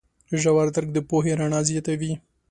ژور درک د پوهې رڼا زیاتوي.